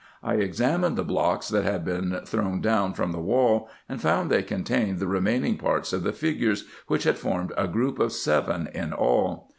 I examined the blocks that had been thrown down from the wall, and found they contained the remaining parts of the figures, which had formed a group of seven in all.